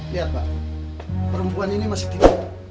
lihat bang perempuan ini masih tidur